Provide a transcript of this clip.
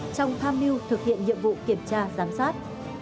trong tham mưu thực hiện nhiệm vụ kiểm tra giám sát